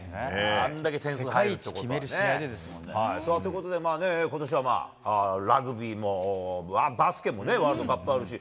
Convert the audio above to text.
世界一決める試合でですもんということで、ことしはまあ、ラグビーもバスケもね、ワールドカップあるし。